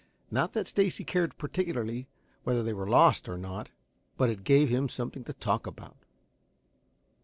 Not that Stacy cared particularly whether they were lost or not, but it gave him something to talk about.